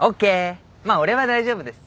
まあ俺は大丈夫です。